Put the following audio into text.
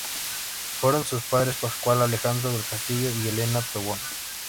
Fueron sus padres Pascual Alejandro del Castillo y Elena Tobón.